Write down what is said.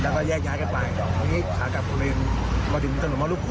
วันนี้ค่ะกับคนเรียนมาถึงถนนมหมาลูก๖